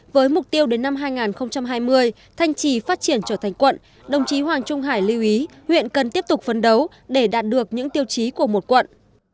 với mục tiêu đến năm hai nghìn hai mươi thanh trì phát triển trở thành quận đồng chí hoàng trung hải lưu ý huyện cần tiếp tục phấn đấu để đạt được những tiêu chí của một quận